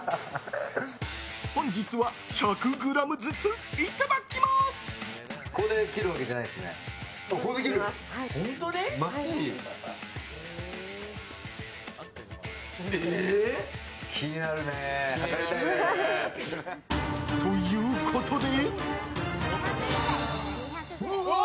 本日は１００ｇずついただきます！ということで。